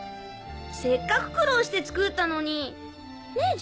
せっかく苦労して作ったのにねぇ？